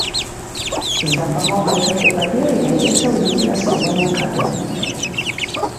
З дапамогай гэтай паперы вядзецца ўлік перасоўвання кадраў.